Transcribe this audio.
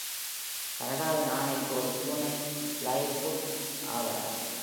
கனடாவின் ஆணைக்கு ஒரு துணை லைட்ஃபுட் ஆவார்.